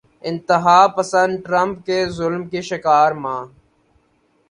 انتہا پسند ٹرمپ کے ظلم کی شکار ماں